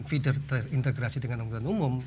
feeder terintegrasi dengan anggota umum